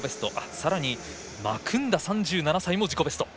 さらにマクンダ、３７歳も自己ベスト。